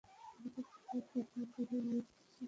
দুপুরে দুবার ফোন করে মেয়ে বলেছে চকলেট নিয়ে বাসায় ফেরার জন্য।